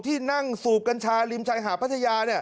ที่นั่งสูบกัญชาริมชายหาดพัทยา